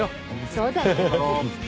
そうだね。